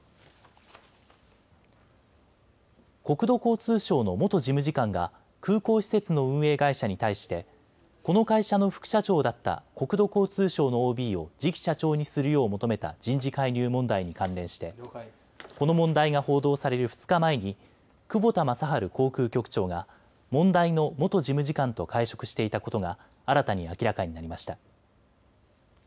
国土交通省の元事務次官が空港施設の運営会社に対してこの会社の副社長だった国土交通省のＯＢを次期社長にするよう求めた人事介入問題に関連してこの問題が報道される２日前に久保田雅晴航空局長が問題の元事務次官と会食していたことが新たに明らかになりました。